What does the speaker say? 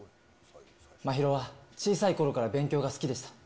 真宙は小さいころから勉強が好きでした。